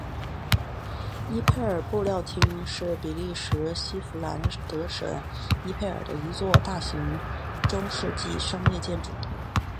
伊佩尔布料厅是比利时西佛兰德省伊佩尔的一座大型中世纪商业建筑。